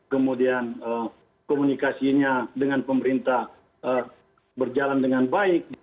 kemudian komunikasinya dengan pemerintah berjalan dengan baik